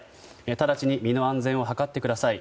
直ちに身の安全を図ってください。